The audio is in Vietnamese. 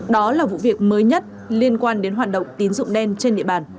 đó là vụ việc mới nhất liên quan đến hoạt động tín dụng đen trên địa bàn